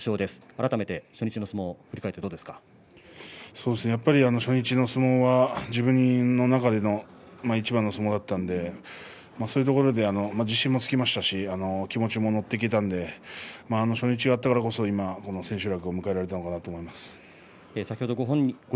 改めて初日の相撲をやっぱり初日の相撲は自分の中でのいちばんの相撲だったのでそういうところで自信もつきましたし気持ちも乗っていけたので初日があったからこそ千秋楽を迎えられたと思います。